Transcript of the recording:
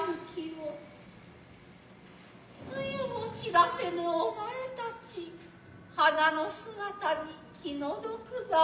露も散らせぬお前たち花の姿に気の毒だね。